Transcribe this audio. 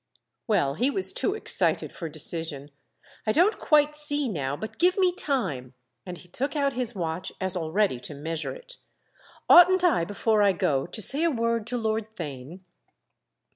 Well, he was too excited for decision. "I don't quite see now, but give me time." And he took out his watch as already to measure it. "Oughtn't I before I go to say a word to Lord Theign?"